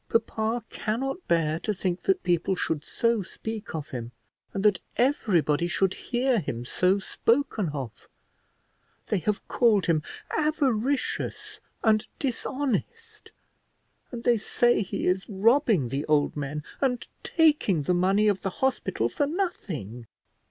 Papa cannot bear to think that people should so speak of him, and that everybody should hear him so spoken of: they have called him avaricious, and dishonest, and they say he is robbing the old men, and taking the money of the hospital for nothing."